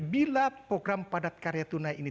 bila program padat karya tunai ini